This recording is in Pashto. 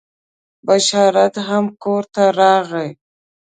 بشارت هم کور ته راغی.